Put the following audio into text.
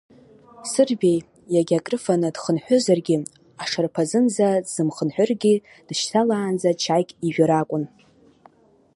Сырбеи, иагьа акрыфаны дхынҳәызаргьы, ашарԥазынӡа дзымхынҳәыргьы, дышьҭалаанӡа чаик ижәыр акәын.